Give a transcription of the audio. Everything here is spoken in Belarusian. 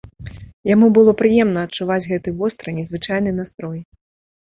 Яму было прыемна адчуваць гэты востры незвычайны настрой.